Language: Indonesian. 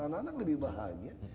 anak anak lebih bahagia